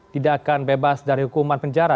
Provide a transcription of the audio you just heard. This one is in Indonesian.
tidak akan bebas dari hukuman penjara